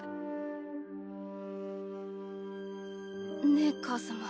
ねえ母様